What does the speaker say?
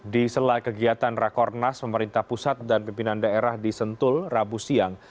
di sela kegiatan rakornas pemerintah pusat dan pimpinan daerah di sentul rabu siang